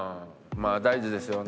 ああ大事ですよね。